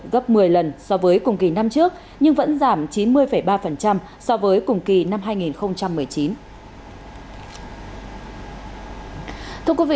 gấp một mươi lần so với cùng kỳ năm trước nhưng vẫn giảm chín mươi ba so với cùng kỳ năm hai nghìn một mươi chín